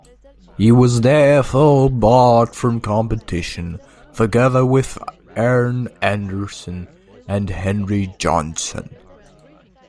He was therefore barred from competition, together with Arne Andersson and Henry Jonsson.